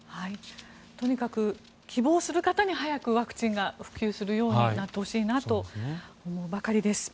とにかく希望する方に早くワクチンが普及するようになってほしいなと思うばかりです。